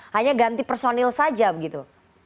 hanya ganti personil saja begitu